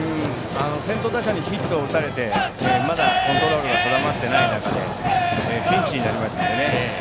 先頭打者にヒットを打たれてまだコントロールが定まってない中ピンチになりましたからね。